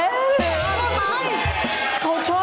เขาชอบฉันด้วย